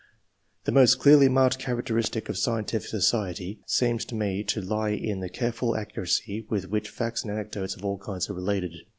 The most clearly marked characteristic of scientific society seems to me to lie in the careful accuracy with which facts and anecdotes of all kinds are related.